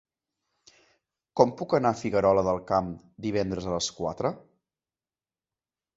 Com puc anar a Figuerola del Camp divendres a les quatre?